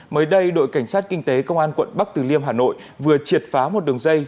mới đây đội cảnh sát kinh tế công an quận bắc từ liêm hà nội vừa triệt phá một đường dây